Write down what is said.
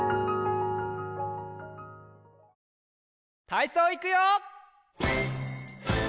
たいそういくよ！